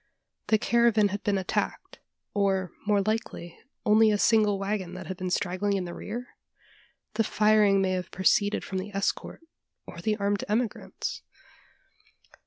The caravan had been attacked, or, more likely, only a single waggon that had been straggling in the rear? The firing may have proceeded from the escort, or the armed emigrants?